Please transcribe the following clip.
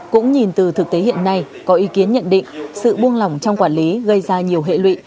cũng nhìn từ thực tế hiện nay có ý kiến nhận định sự buông lỏng trong quản lý gây ra nhiều hệ lụy